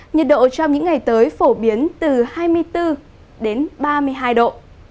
nhiệt độ trong những ngày tới phổ biến từ hai mươi bốn đến ba mươi hai độ